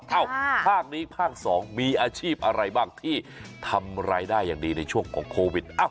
ภาคนี้ภาค๒มีอาชีพอะไรบ้างที่ทำรายได้อย่างดีในช่วงของโควิด